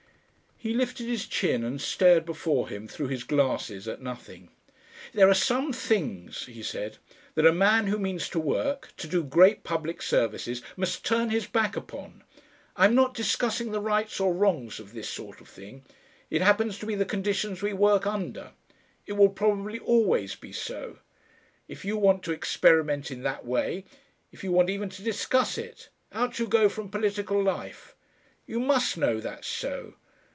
He lifted his chin and stared before him through his glasses at nothing. "There are some things," he said, "that a man who means to work to do great public services MUST turn his back upon. I'm not discussing the rights or wrongs of this sort of thing. It happens to be the conditions we work under. It will probably always be so. If you want to experiment in that way, if you want even to discuss it, out you go from political life. You must know that's so....